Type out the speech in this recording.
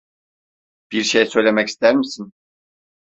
Bir şey söylemek ister misin?